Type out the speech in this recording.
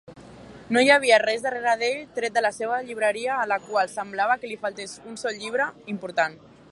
No hi havia res darrere d'ell tret de la seva llibreria, a la qual semblava que li faltés un sol llibre important.